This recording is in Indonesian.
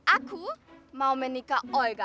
aku mau menikah olga